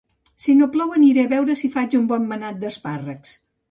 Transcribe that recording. Si no plou aniré a veure si faig un bon manat d'espàrrecs